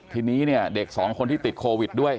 ทีนี้เด็ก๒คนที่ติดโควิดด้วย